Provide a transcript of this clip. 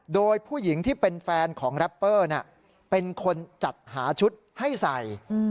โดยผู้หญิงที่เป็นแฟนของแรปเปอร์เป็นคนจัดหาชุดให้ใส่